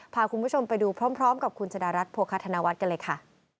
พาคุณผู้ชมไปดูพร้อมกับคุณชะดารัฐโภคาธนวัฒน์กันเลยค่ะ